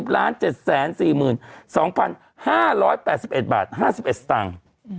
๓๐ล้าน๗๔๒๕๘๑บาท๕๑ตังค์